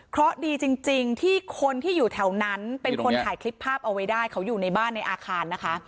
เพราะดีจริงที่คนที่อยู่แถวนั้นเป็นคนถ่ายคลิปภาพเอาไว้ได้เขาอยู่ในบ้านในอาคารนะคะ